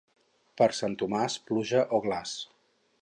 Per Sant Tomàs, pluja o glaç.